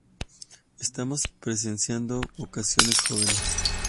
Estamos presenciando vocaciones jóvenes.